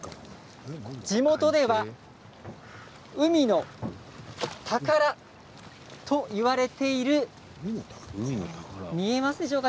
地元では海の宝と言われている見えますでしょうか？